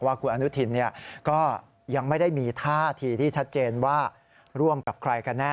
คุณอนุทินก็ยังไม่ได้มีท่าทีที่ชัดเจนว่าร่วมกับใครกันแน่